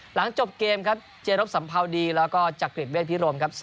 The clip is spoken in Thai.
หลังจบเกมครับเจรบสัมภาวดีแล้วก็จักริจเวทพิรมครับ